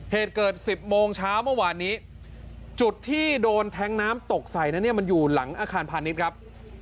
เหตุเกิด๑๐โมงเช้าเมื่อวานนี้จุดที่โดนแท้งน้ำตกใส่นั้นเนี่ยมันอยู่หลังอาคารพาณิชย์ครับ